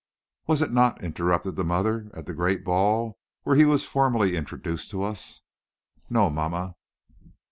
"Was it not," interrupted the mother, "at the great ball where he was formally introduced to us?" "No, mamma."